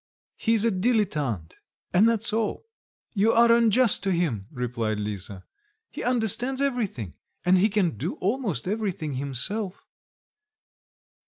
He's a dilettante and that's all!" "You are unjust to him," replied Lisa, "he understands everything, and he can do almost everything himself."